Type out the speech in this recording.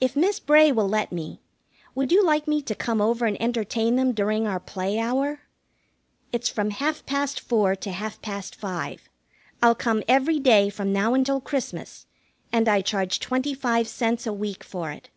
If Miss Bray will let me, would you like me to come over and entertain them during our play hour? It's from half past four to half past five. I'll come every day from now until Christmas, and I charge twenty five cents a week for it."